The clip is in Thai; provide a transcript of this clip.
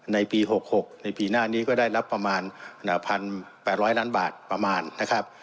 ในปี๖๖ในปีหน้านี้ก็ได้รับประมาณ๑๘๐๐ล้านบาทประมาณนะครับ